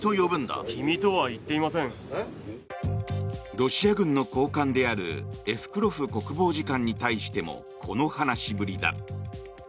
ロシア軍の高官であるエフクロフ国防次官に対してもこの話しぶりだ。